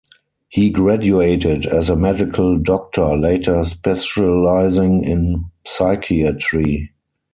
He graduated as a medical doctor, later specializing in psychiatry.